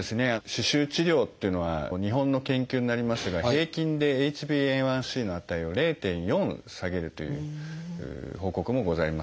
歯周治療っていうのは日本の研究になりますが平均でＨｂＡ１ｃの値を０．４下げるという報告もございます。